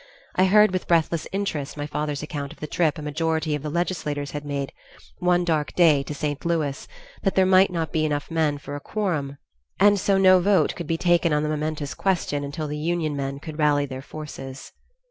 I heard with breathless interest my father's account of the trip a majority of the legislators had made one dark day to St. Louis, that there might not be enough men for a quorum, and so no vote could be taken on the momentous question until the Union men could rally their forces.